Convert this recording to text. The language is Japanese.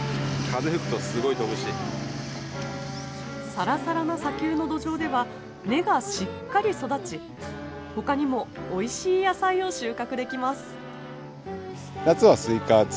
さらさらな砂丘の土壌では根がしっかり育ち他にもおいしい野菜を収穫できます。